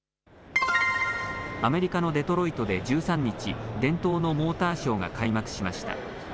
アメリカのデトロイトで１３日伝統のモーターショーが開幕しました。